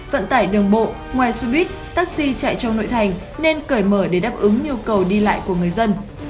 vận tải đường bộ ngoài xe buýt taxi chạy trong nội thành nên cởi mở để đáp ứng nhu cầu đi lại của người dân